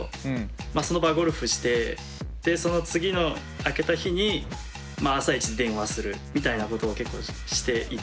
まあその場合ゴルフしてでその次の明けた日にまあ朝イチで電話するみたいなことを結構していて。